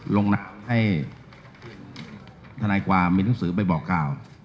นัดให้ทนายความมีหนังสือไปบอกกล่าว